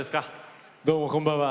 どうもこんばんは。